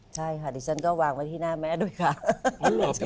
ใช่ครับอดีตฉันก็วางไปที่หน้าแม่ด้วยครับ